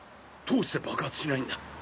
どうして爆発しないんだ！？